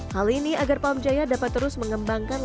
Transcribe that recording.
hal ini agar pamjaya dapat terus mengembangkan kembangnya